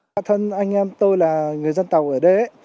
bản thân anh em tôi là người dân tộc ở đây